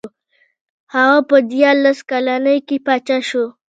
هغه په دیارلس کلنۍ کې پاچا شو.